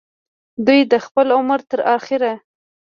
دوي د خپل عمر تر اخره